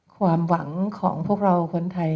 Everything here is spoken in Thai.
ความหวังของพวกเราคนไทย